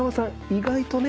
意外とね